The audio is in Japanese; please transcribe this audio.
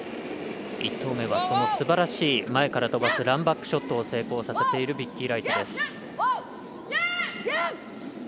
１投目はすばらしい前から飛ばすランバックショットを成功させているビッキー・ライトです。